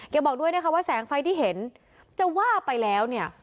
บอกด้วยนะคะว่าแสงไฟที่เห็นจะว่าไปแล้วเนี่ย